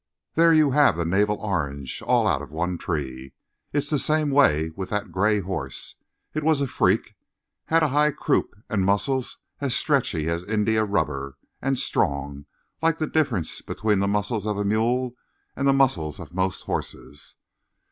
There you have the naval orange, all out of one tree. It's the same way with that gray horse. It was a freak; had a high croup and muscles as stretchy as India rubber, and strong like the difference between the muscles of a mule and the muscles of most horses.